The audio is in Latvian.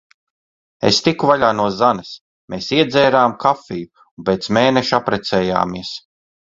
Es tiku vaļā no Zanes. Mēs iedzērām kafiju. Un pēc mēneša apprecējāmies.